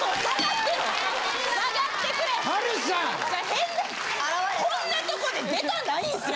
変なこんなとこで出たないんすよ